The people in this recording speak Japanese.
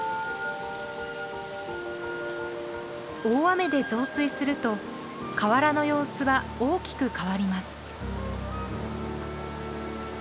大雨で増水すると河原の様子は大きく変わります。